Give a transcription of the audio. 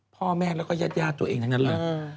พ่อแม่แล้วก็ญาติตัวเองทั้งนั้นเลย